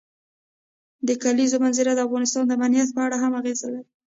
د کلیزو منظره د افغانستان د امنیت په اړه هم اغېز لري.